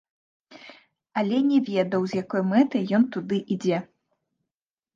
Але не ведаў, з якой мэтай ён туды ідзе.